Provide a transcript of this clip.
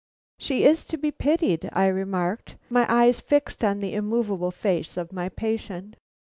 "She is to be pitied!" I remarked, my eyes fixed on the immovable face of my patient.